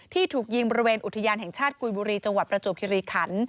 ถูกยิงบริเวณอุทยานแห่งชาติกุยบุรีจังหวัดประจวบคิริขัน